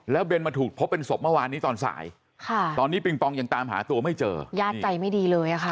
เบนมาถูกพบเป็นศพเมื่อวานนี้ตอนสายค่ะตอนนี้ปิงปองยังตามหาตัวไม่เจอญาติใจไม่ดีเลยอะค่ะ